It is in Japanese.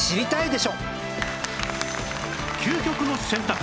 究極の選択